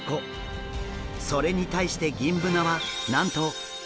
それに対してギンブナはなんと１２８個！